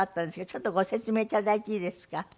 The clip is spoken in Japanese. ちょっとご説明頂いていいですか？